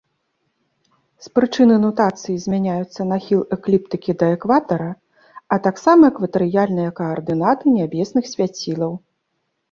З прычыны нутацыі змяняюцца нахіл экліптыкі да экватара, а таксама экватарыяльныя каардынаты нябесных свяцілаў.